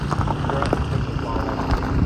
Regrets quickly followed.